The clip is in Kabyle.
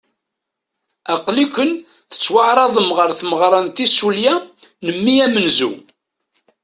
Aql-iken tettwaɛerḍem ɣer tmeɣra n tissulya n mmi amenzu.